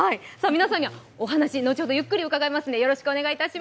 皆さんには、お話を後ほどゆっくり伺います。